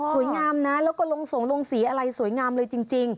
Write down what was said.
สวยงามนะแล้วก็ลงส่งลงสีอะไรสวยงามเลยจริง